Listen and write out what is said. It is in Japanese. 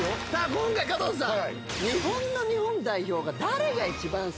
今回加藤さん。